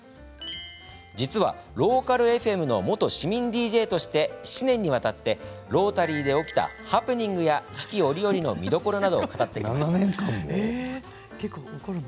実はローカルＦＭの元市民ＤＪとして７年にわたってロータリーで起きたハプニングや四季折々の見どころなどを語ってきました。